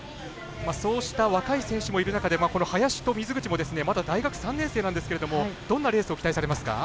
そうした若い選手もいる中この林と水口もまだ大学３年生なんですけどどんなレースを期待されますか？